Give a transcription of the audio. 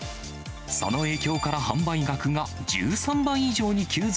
その影響から、販売額が１３倍以上に急増。